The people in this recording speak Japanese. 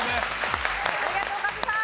ありがとうカズさん！